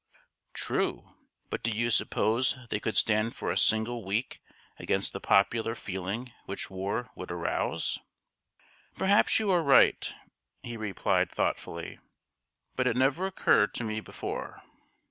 "True; but do you suppose they could stand for a single week against the popular feeling which war would arouse?" "Perhaps you are right," he replied, thoughtfully, "but it never occurred to me before."